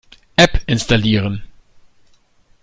App installieren.